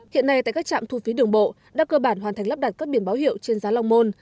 hiện nay tại các trạm thu phí đường bộ đã cơ bản hoàn thành lắp đặt các biển báo hiệu trên giá long môn